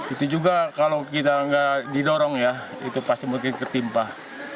itu juga kalau kita nggak didorong ya itu pasti mungkin ketimpah